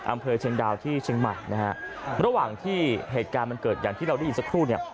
อำเภอเชียงดาวที่เชียงใหม่นะฮะระหว่างที่เหตุการณ์มันเกิดอย่างที่เราได้ยินสักครู่เนี่ย